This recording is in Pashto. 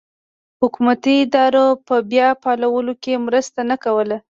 حکومتي ادارو په بیا فعالولو کې مرسته نه کوله.